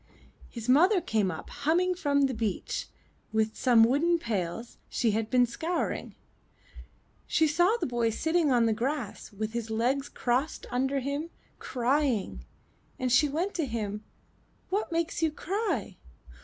His mother came up humming from the beach, with some wooden pails she had been scouring; she saw the boy sitting on the grass, with his legs crossed under him, crying, and she went to him. ''What makes you cry?"